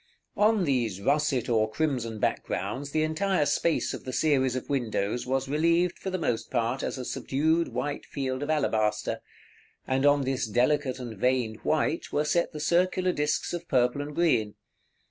§ XXXIV. On these russet or crimson backgrounds the entire space of the series of windows was relieved, for the most part, as a subdued white field of alabaster; and on this delicate and veined white were set the circular disks of purple and green.